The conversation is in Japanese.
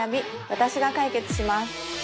私が解決します